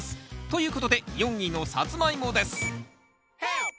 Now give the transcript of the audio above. ということで４位のサツマイモです